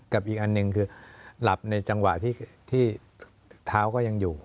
อีกอันหนึ่งคือหลับในจังหวะที่เท้าก็ยังอยู่